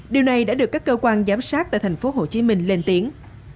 điều này đã được các cơ quan giám sát tại thành phố hồ chí minh lên tiếng